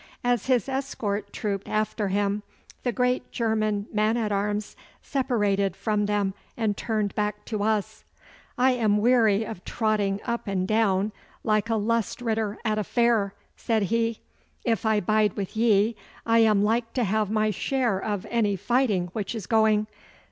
As his escort trooped after him, the great German man at arms separated from them and turned back to us. 'I am weary of trotting up and down like a lust ritter at a fair,' said he. 'If I bide with ye I am like to have my share of any fighting which is going.